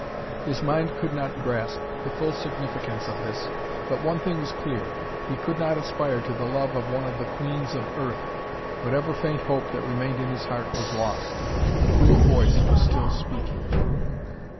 His mind could not grasp the full significance of this. But one thing was clear: he could not aspire to the love of one of the queens of Earth. Whatever faint hope that remained in his heart was lost.... The cool voice was still speaking.